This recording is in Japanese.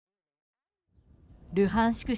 ルハンシク